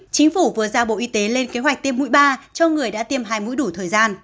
chính phủ vừa ra bộ y tế lên kế hoạch tiêm mũi ba cho người đã tiêm hai mũi đủ thời gian